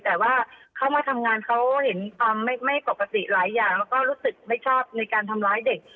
แต่ว่าเขามาทำงานเขาเห็นความไม่ปกติหลายอย่างแล้วก็รู้สึกไม่ชอบในการทำร้ายเด็ก